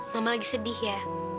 mama lagi sedih ya